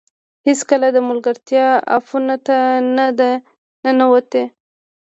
هېڅکله د ملګرتیا اپونو ته نه ده ننوتې